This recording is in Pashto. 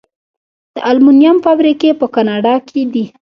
د المونیم فابریکې په کاناډا کې دي.